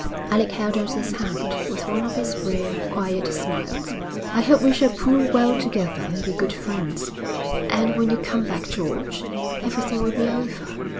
Alec held out his hand, with one of his rare, quiet smiles. 'I hope we shall pull well together and be good friends.' 'And when you come back, George, everything will be over.